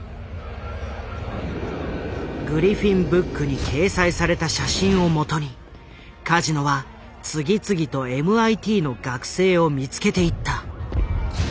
「グリフィン・ブック」に掲載された写真をもとにカジノは次々とＭＩＴの学生を見つけていった。